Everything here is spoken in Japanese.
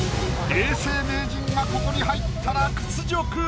永世名人がここに入ったら屈辱。